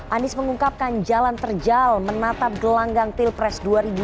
anies mengungkapkan jalan terjal menatap gelanggang pilpres dua ribu dua puluh